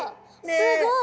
すごい。